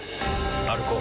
歩こう。